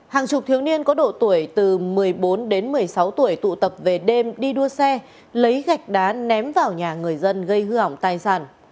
hàng chục thiếu niên có độ tuổi từ một mươi bốn đến một mươi sáu tuổi tụ tập về đêm đi đua xe lấy gạch đá ném vào nhà người dân gây hư hỏng tài sản